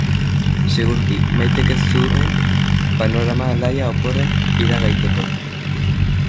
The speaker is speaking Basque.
Segurki, Maitek ez zuen panorama alaia oporren iragaiteko.